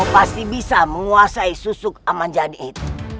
kau pasti bisa menguasai susuk aman janin itu